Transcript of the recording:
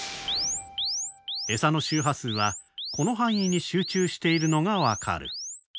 エサの周波数はこの範囲に集中しているのが分かる。